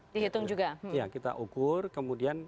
dihitung juga ya kita ukur kemudian